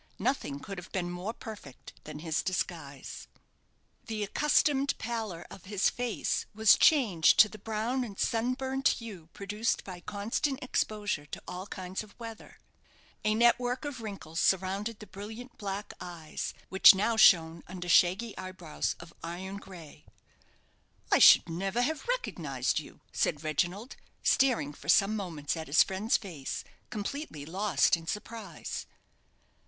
Nothing could have been more perfect than his disguise. The accustomed pallor of his face was changed to the brown and sunburnt hue produced by constant exposure to all kinds of weather. A network of wrinkles surrounded the brilliant black eyes, which now shone under shaggy eyebrows of iron grey. "I should never have recognized you," said Reginald, staring for some moments at his friend's face, completely lost in surprise.